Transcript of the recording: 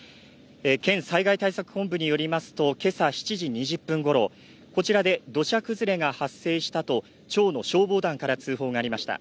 県災害対策本部によりますと今朝７時２０分ごろこちらで土砂崩れが発生したと町の消防団が通報がありました。